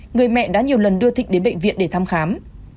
người mẹ đã nhiều lần đưa thịt đến bệnh viện để thăm khám